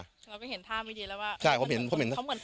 แล้วก็เห็นท่าไม่ดีแล้วว่าเขาเหมือนคนเมา